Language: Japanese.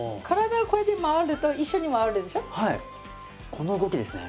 この動きですね。